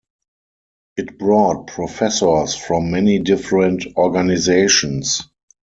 It brought professors from many different organizations.